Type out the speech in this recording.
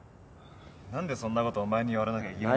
何でそんなことお前に言われなきゃ。